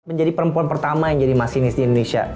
menjadi perempuan pertama yang jadi masinis di indonesia